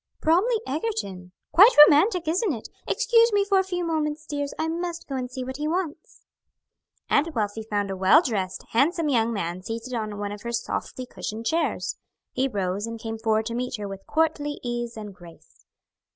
"Bromly Egerton; quite romantic, isn't it? Excuse me for a few minutes, dears; I must go and see what he wants." Aunt Wealthy found a well dressed, handsome young man seated on one of her softly cushioned chairs. He rose and came forward to meet her with courtly ease and grace.